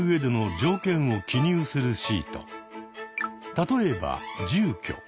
例えば住居。